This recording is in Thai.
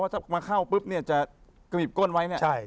ว่าถ้ามาเข้าปุ๊บจะกมิบก้นไว้เนี่ย